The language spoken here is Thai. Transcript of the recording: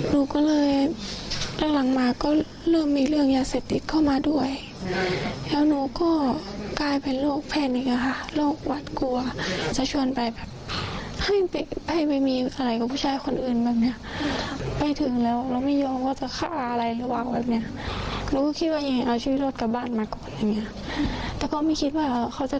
น้องบอกถึงเข้าเป็นแพนิกเลยนะคะ